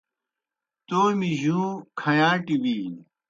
تومیْ جُوں کھیاݩٹیْ بِینیْ